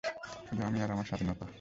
শুধু আমি আর আমার স্বাধীনতা।